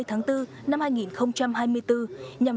ba mươi tháng bốn năm hai nghìn hai mươi bốn